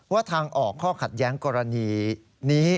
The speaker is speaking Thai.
ทางออกข้อขัดแย้งกรณีนี้